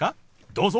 どうぞ。